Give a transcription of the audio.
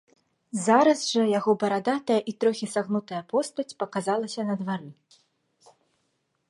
Зараз жа яго барадатая і трохі сагнутая постаць паказалася на двары.